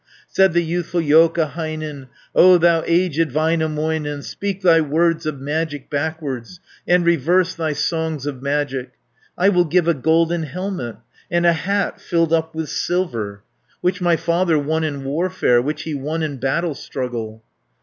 Said the youthful Joukahainen, "O thou aged Väinämöinen, Speak thy words of magic backwards, And reverse thy songs of magic. 410 I will give a golden helmet, And a hat filled up with silver, Which my father won in warfare, Which he won in battle struggle."